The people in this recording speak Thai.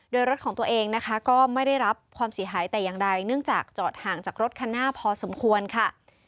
โดยรถของตัวเองนะคะก็ไม่ได้รับความเสียหายแต่อย่างใดเนื่องจากจอดห่างจากรถคันหน้าพอสมควรค่ะ